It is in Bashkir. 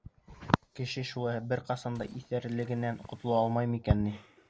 Кеше шулай бер ҡасан да иҫәрлегенән ҡотола алмаймы икән ни?..